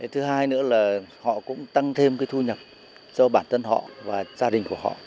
thứ hai nữa là họ cũng tăng thêm cái thu nhập cho bản thân họ và gia đình của họ